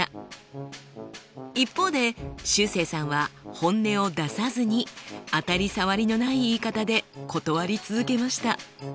一方でしゅうせいさんは本音を出さずに当たり障りのない言い方で断り続けました。